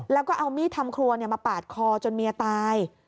แล้วก็เอามีดทำครัวมาปาดคอจนเมียตาย